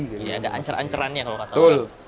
jadi ada ancar ancarannya kalau kata lo